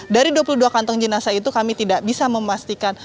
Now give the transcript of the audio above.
dari dua puluh dua kantong jenazah itu kami tidak bisa memastikan